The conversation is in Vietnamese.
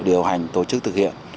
điều hành tổ chức thực hiện